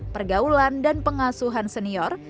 pergaulan dan pengasuhan senior